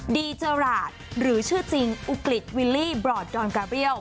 ดีเจอราชหรือชื่อจริงอุกฤษวิลลี่บรอดดอนกาเบี้ยว